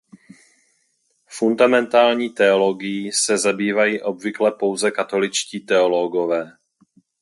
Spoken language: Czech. Fundamentální teologií se zabývají obvykle pouze katoličtí teologové.